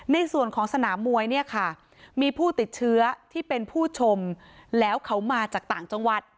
ในส่วนของสนามมวยเนี่ยค่ะมีผู้ติดเชื้อที่เป็นผู้ชมแล้วเขามาจากต่างจังหวัด